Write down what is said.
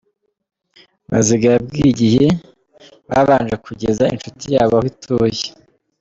Baziga yabwiye Igihe babanje kugeza inshuti yabo aho ituye.